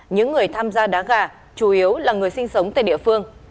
những người tham gia đá gà chủ yếu là người sinh sống tại địa phương